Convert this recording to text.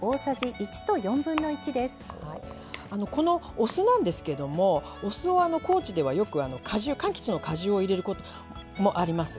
お酢なんですけどもお酢を高知ではよくかんきつの果汁を入れることもあります。